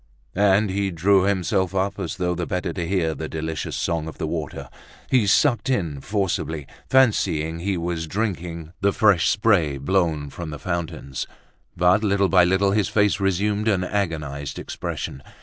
And he drew himself up, as though the better to hear the delicious song of the water; he sucked in forcibly, fancying he was drinking the fresh spray blown from the fountains. But, little by little, his face resumed an agonized expression.